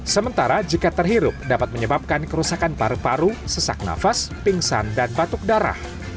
sementara jika terhirup dapat menyebabkan kerusakan paru paru sesak nafas pingsan dan batuk darah